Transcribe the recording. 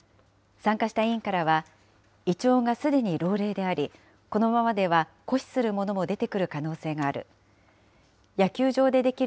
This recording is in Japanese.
参加した委員からは、イチョウがすでに老齢であり、このままでは枯死するものも出てくる可能性がある。